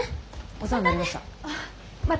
お世話になりました。